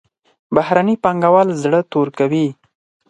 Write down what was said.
بهرني پانګوال زړه تور کوي.